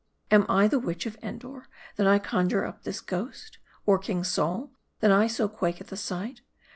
Am I the witch of Endor, that I conjure up this ghost ? Or, King Saul, that I so quake at the sight